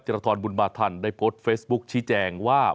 รทรบุญมาทันได้โพสต์เฟซบุ๊คชี้แจงว่า